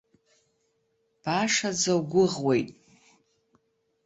Башаӡа угәӷуеит!